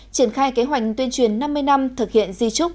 triển khai kế hoạch tuyên truyền năm mươi năm thực hiện di trúc